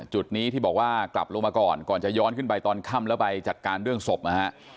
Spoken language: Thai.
จุดนี้ที่บอกว่ากลับลงมาก่อนก่อนจะย้อนขึ้นไปตอนค่ำแล้วไปจัดการเรื่องศพนะฮะ